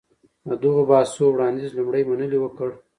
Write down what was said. د دغو بحثو وړانديز لومړی منلي وکړ.